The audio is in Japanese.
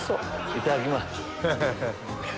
いただきます。